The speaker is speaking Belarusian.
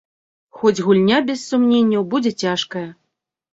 Хоць гульня, без сумненняў, будзе цяжкая.